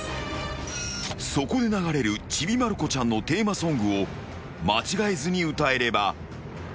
［そこで流れる『ちびまる子ちゃん』のテーマソングを間違えずに歌えれば］